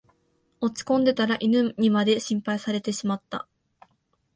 落ちこんでたら犬にまで心配されてしまった